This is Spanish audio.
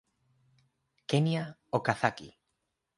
Kenya Okazaki